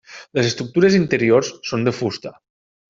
Les estructures interiors són de fusta.